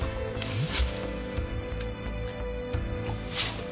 うん。